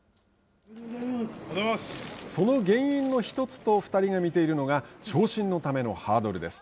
その原因の一つと２人が見ているのは、昇進のためのハードルです。